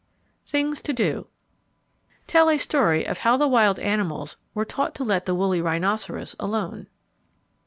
THINGS TO DO _Tell a story of how the wild animals were taught to let the woolly rhinoceros alone.